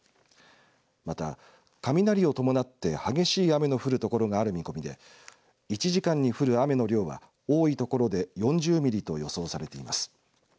また、雷を伴って激しい雨の降る所がある見込みで１時間に降る雨の量は多い所で４０ミリと予想されています。